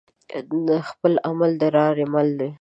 خپل عمل دلاري مل وي